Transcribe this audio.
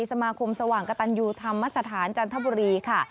สมาคมสว่างกระตันยูธรรมสถานจันทบุรีค่ะ